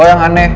gue yang aneh